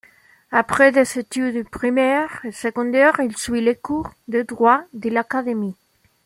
Après des études primaires et secondaires, il suit les cours de droit de l'Académie.